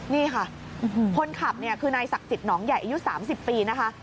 นี่ค่ะคนขับเนี่ยคือนายศักดิ์สิทธิหนองใหญ่อายุ๓๐ปีนะคะ